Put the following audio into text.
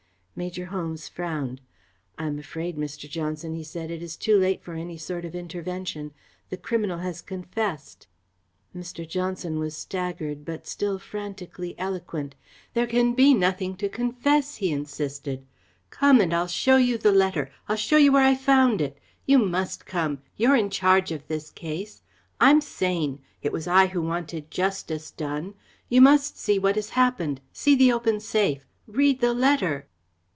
Major Holmes frowned. "I am afraid, Mr. Johnson," he said, "it is too late for any sort of intervention. The criminal has confessed." Mr. Johnson was staggered, but still frantically eloquent. "There can be nothing to confess," he insisted. "Come and I'll show you the letter. I'll show you where I found it. You must come. You're in charge of this case. I'm sane. It was I who wanted justice done. You must see what has happened see the open safe read the letter!"